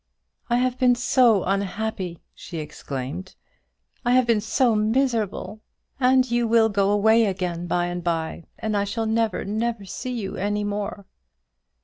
"I have been so unhappy," she exclaimed: "I have been so miserable; and you will go away again by and by, and I shall never, never see you any more!"